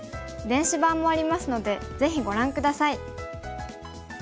電子版もありますのでぜひご覧下さい。